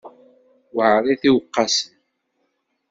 Weεrit iwqasen?